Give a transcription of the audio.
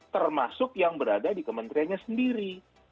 termasuk yang berada di kementeriannya sendiri